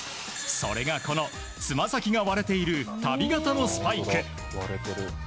それが、このつま先が割れている足袋型のスパイク。